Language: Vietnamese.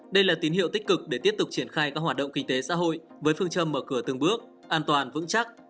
đây là tín hiệu tích cực để tiếp tục triển khai các hoạt động kinh tế xã hội với phương châm mở cửa từng bước an toàn vững chắc